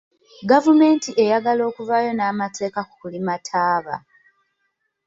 Gavumenti eyagala kuvaayo n'amateeka ku kulima ttaaba.